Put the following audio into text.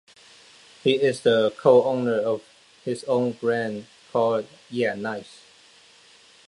He is the Co-Owner of his own brand, called Yea.Nice.